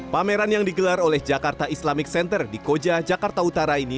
pameran yang digelar oleh jakarta islamic center di koja jakarta utara ini